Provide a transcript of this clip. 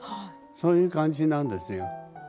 そういう感じなんですよ。